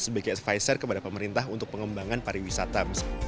besar kepada pemerintah untuk pengembangan pariwisata